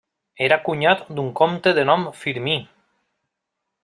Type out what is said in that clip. Era cunyat d'un comte de nom Firmí.